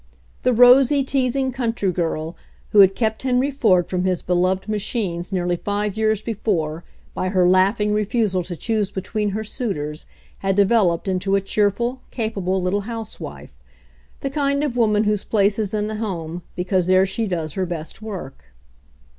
The rosy, teasing country girl who had kept Henry Ford from his beloved machines nearly five years before by her laughing refusal to choose between her suitors, had developed into a cheerful, capable little housewife — the kind of woman whose place is in the home because there she does her best work.